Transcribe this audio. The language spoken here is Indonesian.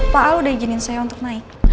pak au udah izinin saya untuk naik